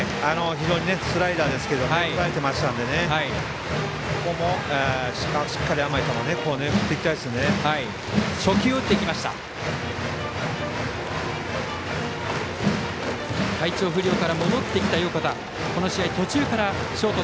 スライダーをとらえていましたのでここもしっかり甘い球を振っていきたいですね。